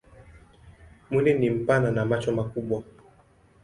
Mwili ni mpana na macho makubwa.